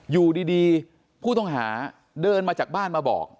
อยู่ดีผู้ต้องหาเดินมาจากบ้านมาบอก